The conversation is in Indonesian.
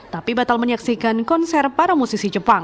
tapi batal menyaksikan konser para musisi jepang